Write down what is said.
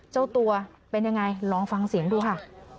เจ้าตัวเป็นยังไงลองฟังเสียงดูค่ะ